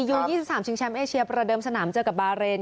ยู๒๓ชิงแชมป์เอเชียประเดิมสนามเจอกับบาเรน